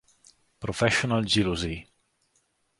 Professional Jealousy